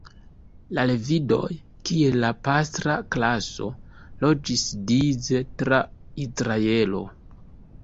La Levidoj, kiel la pastra klaso, loĝis dise tra Izraelo.